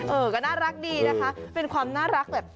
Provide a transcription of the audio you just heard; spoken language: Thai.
เออก็น่ารักดีนะคะเป็นความน่ารักแบบ